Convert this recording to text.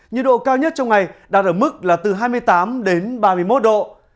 nhiệt độ cao nhất trong ngày đạt ở mức là từ hai mươi tám đến ba mươi một độ